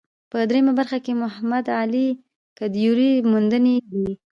په درېیمه برخه کې د محمد علي کدیور موندنې دي.